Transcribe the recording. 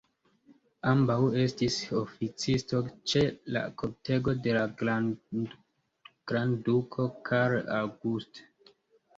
Ambaŭ estis oficistoj ĉe la kortego de la grandduko Carl August.